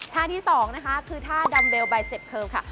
ท่าที่สองคือท่าค่ะ